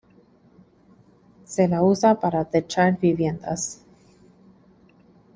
Se la usa para techar viviendas.